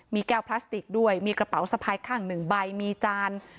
มีแก้วพลาสติกด้วยมีกระเป๋าสะพายข้างหนึ่งใบมีจาน